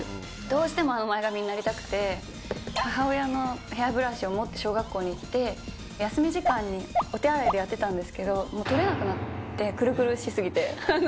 どうしてもあの前髪になりたくて、母親のヘアブラシを持って小学校に行って、休み時間にお手洗いでやってたんですけど、もう取れなくなって、くるくるし過ぎて。